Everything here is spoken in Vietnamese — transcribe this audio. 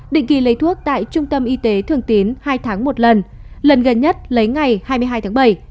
định kỳ lấy thuốc tại trung tâm y tế thường tín hai tháng một lần lần gần nhất lấy ngày hai mươi hai tháng bảy